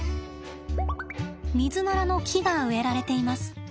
ミズナラの木が植えられています。